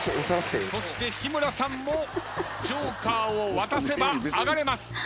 そして日村さんもＪＯＫＥＲを渡せば上がれます。